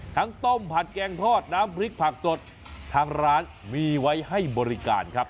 ต้มผัดแกงทอดน้ำพริกผักสดทางร้านมีไว้ให้บริการครับ